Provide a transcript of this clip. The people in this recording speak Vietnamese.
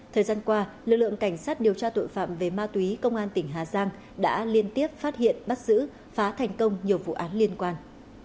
thời gian qua lực lượng cảnh sát điều tra tội phạm về ma túy công an tỉnh hà giang đã liên tiếp phát hiện bắt giữ phá thành công nhiều vụ án liên quan